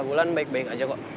ulan baik baik aja kok